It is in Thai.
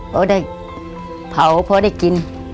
พอได้เผาพอได้กิน